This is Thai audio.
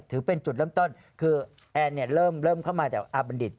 ถือเป็นจุดเริ่มต้นคือแอนเนี่ยเริ่มเข้ามาจากอาบัณฑิต